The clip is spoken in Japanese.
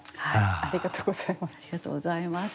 ありがとうございます。